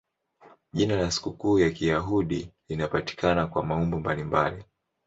Jina la sikukuu ya Kiyahudi linapatikana kwa maumbo mbalimbali.